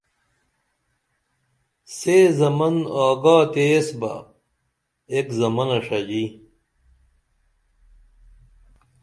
سے زمن آگا تیہ ایس بہ ایک زمنہ ݜژی